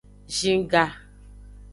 Zin ga.